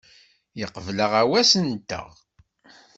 Yeqbel aɣawas-nteɣ.